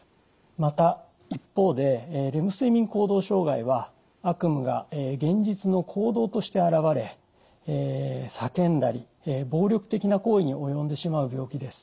また一方でレム睡眠行動障害は悪夢が現実の行動として現れ叫んだり暴力的な行為に及んでしまう病気です。